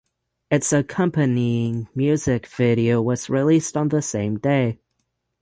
Its accompanying music video was released on the same day.